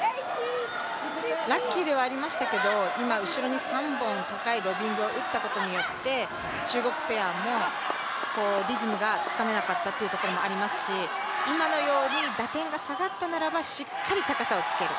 ラッキーではありましたけど今、後ろに３本ロビングを打ったことによって中国ペアもリズムがつかめなかったということもありますし今のように打点が下がったならば、しっかり高さをつける。